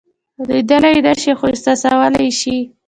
لیدلی یې نشئ خو احساسولای یې شئ.